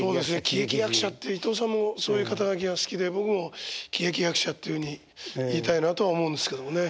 喜劇役者って伊東さんもそういう肩書が好きで僕も喜劇役者っていうふうに言いたいなとは思うんですけどもね。